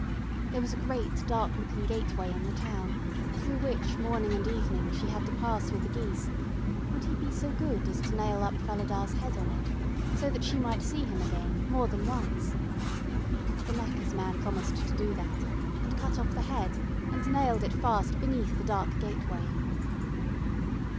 There was a great dark looking gateway in the town, through which morning and evening she had to pass with the geese: would he be so good as to nail up Falada's head on it, so that she might see him again, more than once. The knacker's man promised to do that, and cut off the head, and nailed it fast beneath the dark gateway.